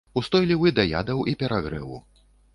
Устойлівы да ядаў і перагрэву.